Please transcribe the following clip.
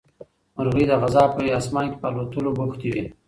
مرغۍ د غزا په اسمان کې په الوتلو بوختې وې.